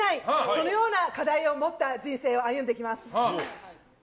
そのような課題を持った人生を歩んできます。